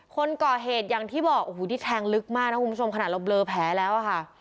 คนก่อเหตุอย่างที่บอกโอ้โหนี่แทงลึกมากนะคุณผู้ชมขนาดเราเบลอแผลแล้วอะค่ะ